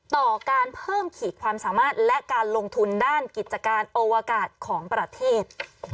ต่อการเพิ่มขีดความสามารถและการลงทุนด้านกิจการอวกาศของประเทศ